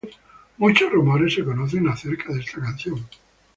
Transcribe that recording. Muchos rumores se conocen acerca de esta canción.